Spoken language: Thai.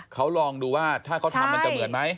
เขาลองดูว่าถ้าเขาทำมันจะเหมือนไหม